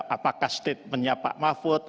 apakah state punya pak mahbud